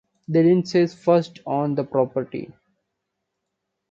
The Lindsays first owned the property.